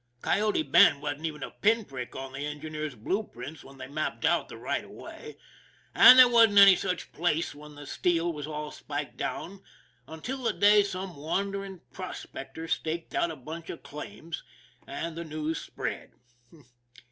Coyote Bend wasn't even a pin prick on the engi neers' blue prints when they mapped out the right of way, and there wasn't any such place w r hen the steel was all spiked down until the day some wandering prospector staked out a bunch of claims and the news spread.